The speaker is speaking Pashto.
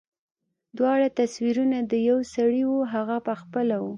دواړه تصويرونه د يوه سړي وو هغه پخپله و.